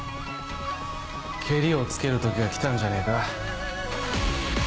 ケリをつける時が来たんじゃねえか？